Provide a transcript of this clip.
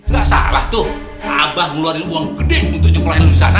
gak salah tuh abah ngeluarin uang gede untuk sekolahin lu disana